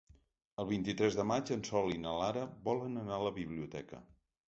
El vint-i-tres de maig en Sol i na Lara volen anar a la biblioteca.